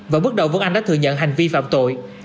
và bước đầu vân anh đã thừa nhận hành vi phạm tội